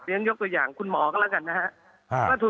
ยังยกตัวอย่างคุณหมอก็แล้วกันนะฮะ